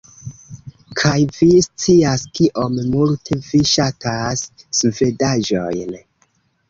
Kaj vi scias kiom multe vi ŝatas svedaĵojn